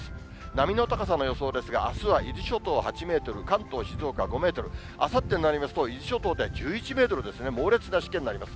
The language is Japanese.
波の高さの予想ですが、あすは伊豆諸島８メートル、関東、静岡５メートル、あさってになりますと伊豆諸島で１１メートルですね、猛烈なしけになります。